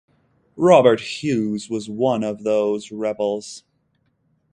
Robert Hughes was one of those "rebels".